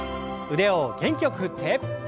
腕を元気よく振って。